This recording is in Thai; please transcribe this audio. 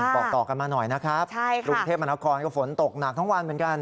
บอกต่อกันมาหน่อยนะครับกรุงเทพมนาคอนก็ฝนตกหนักทั้งวันเหมือนกัน